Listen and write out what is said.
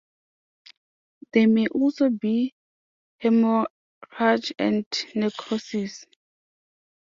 There may also be hemorrhage and necrosis.